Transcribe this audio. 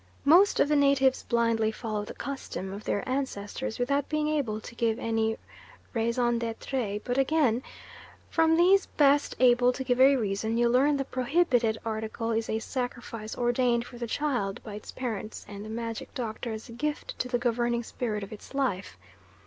Most of the natives blindly follow the custom of their ancestors without being able to give any raison d'etre, but again, from those best able to give a reason, you learn the prohibited article is a sacrifice ordained for the child by its parents and the magic doctor as a gift to the governing spirit of its life.